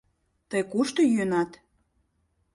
Тый кушто йӱынат?